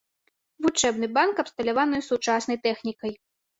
Вучэбны банк абсталяваны сучаснай тэхнікай.